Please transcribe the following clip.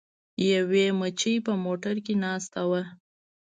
یوې مچۍ په موټر کې ناسته وه.